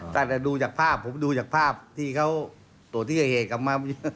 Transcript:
แต่ดูจากภาพผมดูจากภาพที่เขาตรวจหญิงกระแหกลับมา